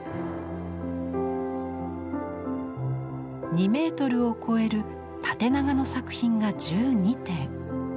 ２メートルを超える縦長の作品が１２点。